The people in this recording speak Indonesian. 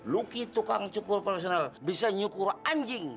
luki tukang cukur profesional bisa nyukur anjing